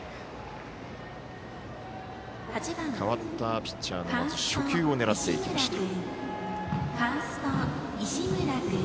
代わったピッチャーのまず初球を狙っていきました。